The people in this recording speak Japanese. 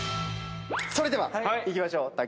それではいきましょう。